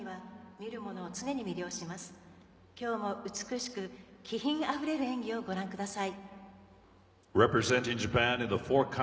今日も美しく気品あふれる演技をご覧ください。